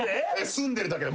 住んでるだけで。